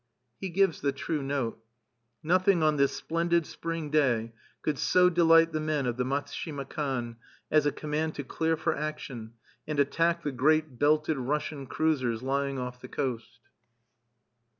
_" He gives the true note. Nothing, on this splendid spring day, could so delight the men of the Matsushima Kan as a command to clear for action, and attack the great belted Russian cruisers lying off the coast.